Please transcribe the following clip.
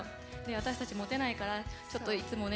私たち持てないからちょっといつもね